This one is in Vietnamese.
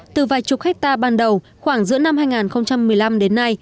từ vài chục hectare ban đầu khoảng giữa năm hai nghìn một mươi năm đến nay